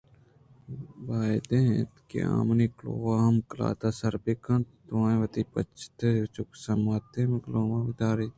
باید اِنت آمنی کلوہاں ہم قلات ءَ سر بہ کنت دوئیں وتی بحت ءَ چکاس اِت منی کلوہءَ بہ براِت